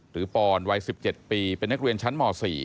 ปอนวัย๑๗ปีเป็นนักเรียนชั้นม๔